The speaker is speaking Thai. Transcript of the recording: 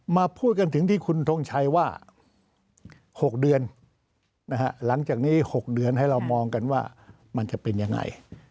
มาพูดกันถึงที่คุณทงชัยว่า๖เดือนหลังจากนี้๖เดือนให้เรามองกันว่ามันจะเป็นยังไง